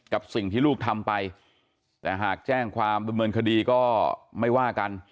กับสิ่งที่ลูกทำไปแต่หากแจ้งความดำเนินคดีก็ไม่ว่ากัน